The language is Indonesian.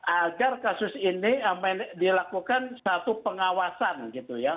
agar kasus ini dilakukan satu pengawasan gitu ya